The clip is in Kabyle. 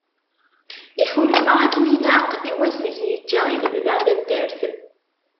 Iḥulfa akken ilaq i wass deg yeğğa i lebda taddart.